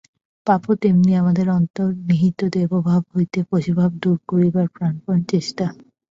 পাপও তেমনি আমাদের অন্তর্নিহিত দেবভাব হইতে পশুভাব দূর করিবার প্রাণপণ চেষ্টা।